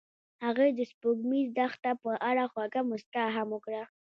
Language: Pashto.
هغې د سپوږمیز دښته په اړه خوږه موسکا هم وکړه.